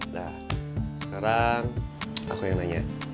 nah sekarang aku yang nanya